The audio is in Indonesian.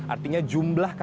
artinya jumlah karyawan